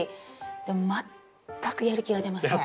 でも全くやる気が出ません！